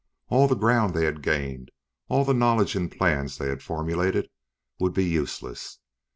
All the ground they had gained, all the knowledge and plans they had formulated, would be useless.